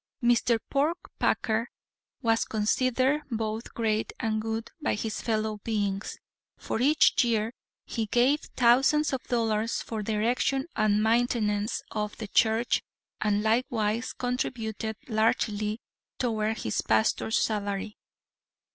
Mr. Porkpacker was considered both great and good by his fellow beings, for each year he gave thousands of dollars for the erection and maintenance of the church and likewise contributed largely toward his pastor's salary.